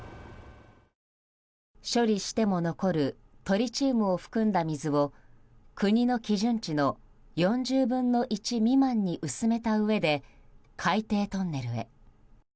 処理しても残るトリチウムを含んだ水を国の基準値の４０分の１未満に薄めたうえで海底トンネルへ。